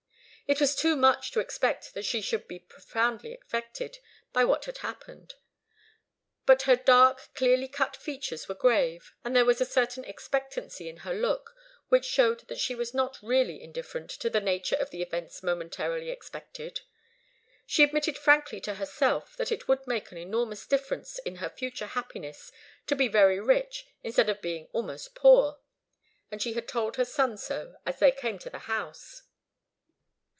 It was too much to expect that she should be profoundly affected by what had happened. But her dark, clearly cut features were grave, and there was a certain expectancy in her look, which showed that she was not really indifferent to the nature of the events momentarily expected. She admitted frankly to herself that it would make an enormous difference in her future happiness to be very rich instead of being almost poor, and she had told her son so as they came to the house.